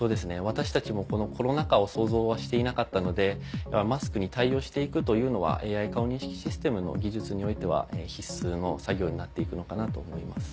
私たちもこのコロナ禍を想像はしていなかったのでマスクに対応して行くというのはＡＩ顔認識システムの技術においては必須の作業になって行くのかなと思います。